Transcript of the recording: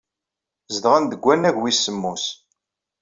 Zedɣen deg wannag wis semmus.